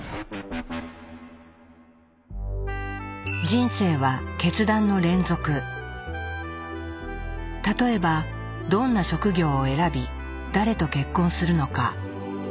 人生は例えばどんな職業を選び誰と結婚するのか。